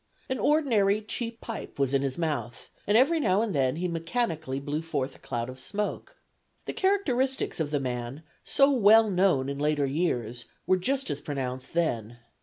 An ordinary cheap pipe was in his mouth, and every now and then he mechanically blew forth a cloud of smoke. The characteristics of the man so well known in later years were just as pronounced then.